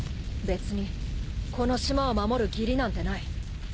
別にこの島を守る義理なんてない。